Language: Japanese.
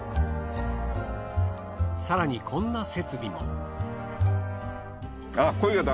更にこんな設備も。